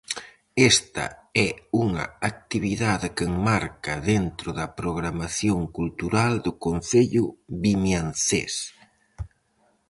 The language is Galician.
Esta é unha actividade que enmarca dentro da programación cultural do concello vimiancés.